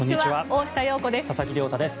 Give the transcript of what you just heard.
大下容子です。